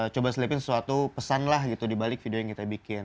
coba selipin sesuatu pesan lah gitu dibalik video yang kita bikin